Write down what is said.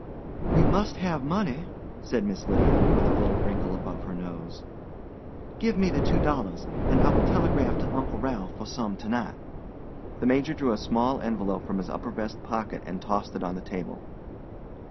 "We must have money," said Miss Lydia, with a little wrinkle above her nose. "Give me the two dollars, and I will telegraph to Uncle Ralph for some to night." The Major drew a small envelope from his upper vest pocket and tossed it on the table.